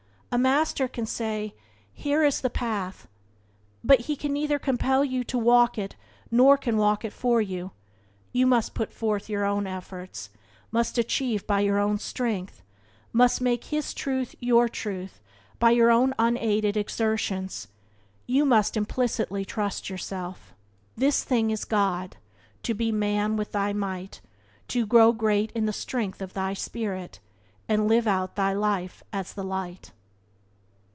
A master can say: "Here is the path," but he can neither compel you to walk it nor walk it for you. You must put forth your own efforts, Byways to Blessedness by James Allen 62 must achieve by your own strength, must make his truth your truth by your own unaided exertions; you must implicitly trust yourself. "This thing is God — to be Man with thy might, To grow great in the strength of thy spirit, And live out thy life as the light."